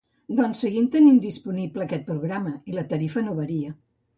Doncs seguim tenint disponible aquest programa i la tarifa no varia.